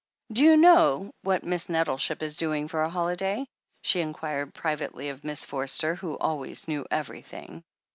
"Do you know what Miss Nettleship is doing for a holiday?" she inquired privately of Miss Forster, who always knew everjrthing.